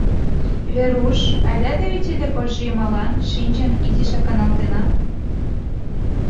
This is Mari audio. — Веруш, айда теве тиде кож йымалан, шинчын, изишак каналтена.